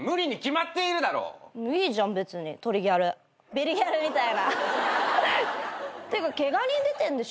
ビリギャルみたいな。ってかケガ人出てんでしょ。